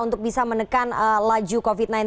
untuk bisa menekan laju covid sembilan belas